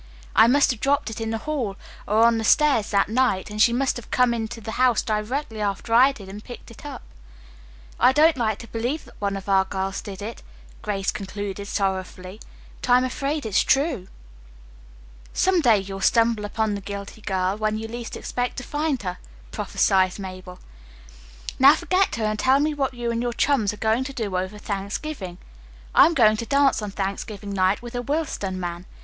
I must have dropped it in the hall or on the stairs that night, and she must have come into the house directly after I did and picked it up. I don't like to believe that one of our girls did it," Grace concluded sorrowfully, "but I am afraid it's true." "Some day you'll stumble upon the guilty girl when you least expect to find her," prophesied Mabel. "Now forget her, and tell me what you and your chums are going to do over Thanksgiving. I am going to a dance on Thanksgiving night with a Willston man.